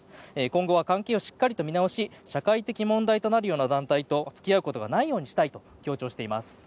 今後は関係をしっかり見直し社会的問題となるような団体と付き合うことがないようにしたいと強調しています。